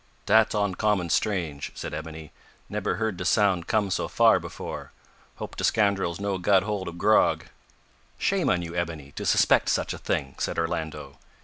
"Dat's oncommon strange," said Ebony. "Nebber heard de sound come so far before. Hope de scoundrils no got hold ob grog." "Shame on you, Ebony, to suspect such a thing!" said Orlando.